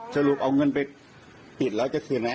เราคุยกันมากี่ปีแล้ว